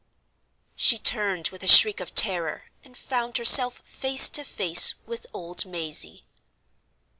She turned with a shriek of terror, and found herself face to face with old Mazey.